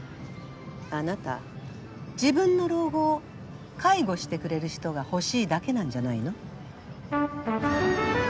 あなた自分の老後を介護してくれる人が欲しいだけなんじゃないの？